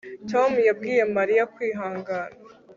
Tom yabwiye Mariya kwihangana